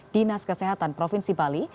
dinas kesehatan provinsi bali